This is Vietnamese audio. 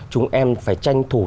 chúng em phải tranh thủ